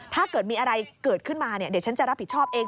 ถ้าเกิดมีอะไรเกิดขึ้นมาเดี๋ยวฉันจะรับผิดชอบเอง